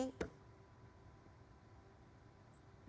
sempat kemudian juga ada sejumlah korban yang bahkan di bawah umur juga menarik diri